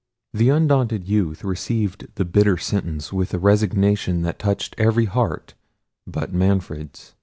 The undaunted youth received the bitter sentence with a resignation that touched every heart but Manfred's.